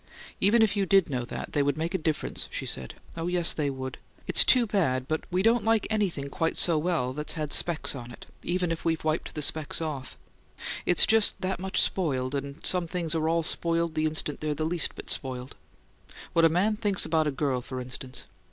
"Even if you did know that, they'd make a difference," she said. "Oh, yes, they would! It's too bad, but we don't like anything quite so well that's had specks on it, even if we've wiped the specks off; it's just that much spoiled, and some things are all spoiled the instant they're the least bit spoiled. What a man thinks about a girl, for instance.